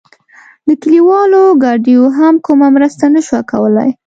د کلیوالو ګاډیو هم کومه مرسته نه شوه کولای.